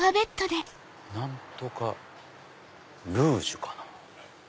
何とかルージュかな。